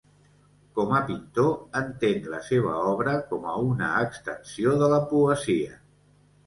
Com a pintor, entén la seva obra com una extensió de la poesia.